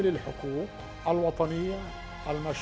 hingga saat ini rais vi